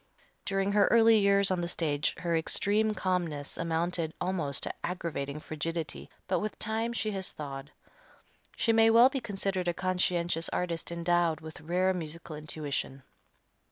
During her early years on the stage her extreme calmness amounted almost to aggravating frigidity, but with time she has thawed. She may well be considered a conscientious artist endowed with rare musical intuition.